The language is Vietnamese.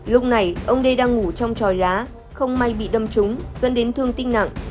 lúc này ông đê đang ngủ trong tròi lá không may bị đâm trúng dẫn đến thương tinh nặng